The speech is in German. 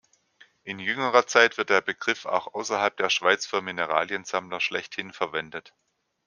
In jüngerer Zeit wird der Begriff auch außerhalb der Schweiz für Mineraliensammler schlechthin verwendet.